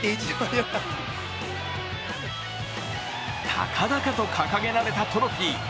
高々と掲げられたトロフィー。